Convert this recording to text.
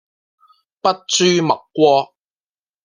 筆誅墨伐